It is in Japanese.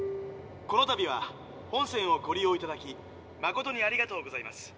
「このたびは本船をご利用いただきまことにありがとうございます。